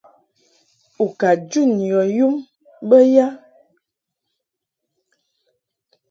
U ka jun yɔ yum bə ya?